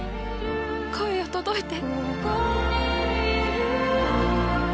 声よ届いて。